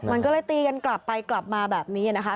มันก็เลยตีกันกลับไปกลับมาแบบนี้นะคะ